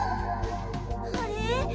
あれ？